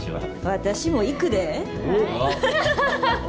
私も行くで。